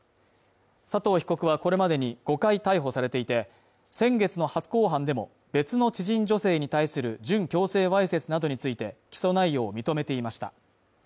佐藤被告はこれまでに５回逮捕されていて、先月の初公判でも、別の知人女性に対する準強制わいせつなどについて起訴内容を認めていました。